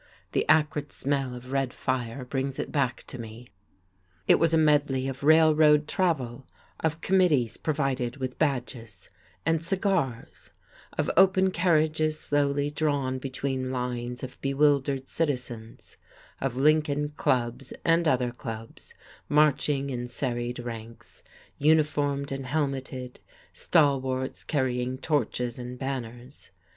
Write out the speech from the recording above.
The acrid smell of red fire brings it back to me. It was a medley of railroad travel, of committees provided with badges and cigars, of open carriages slowly drawn between lines of bewildered citizens, of Lincoln clubs and other clubs marching in serried ranks, uniformed and helmeted, stalwarts carrying torches and banners.